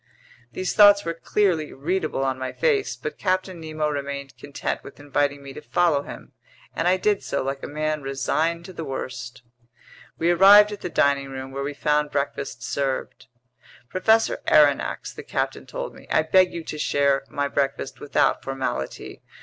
These thoughts were clearly readable on my face; but Captain Nemo remained content with inviting me to follow him, and I did so like a man resigned to the worst. We arrived at the dining room, where we found breakfast served. "Professor Aronnax," the captain told me, "I beg you to share my breakfast without formality.